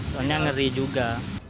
soalnya ngeri juga